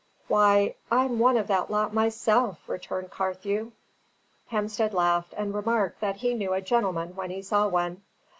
"Why, I'm one of that lot myself," returned Carthew. Hemstead laughed and remarked that he knew a gentleman when he saw one.